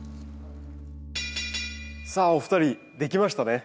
さあお二人できましたね？